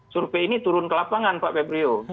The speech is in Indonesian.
survei ini turun ke lapangan pak febrio